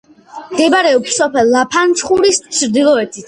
მდებარეობს სოფელ ლაფანყურის ჩრდილოეთით.